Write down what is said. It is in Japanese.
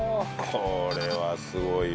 これはすごいよ。